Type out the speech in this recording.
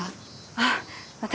あっ私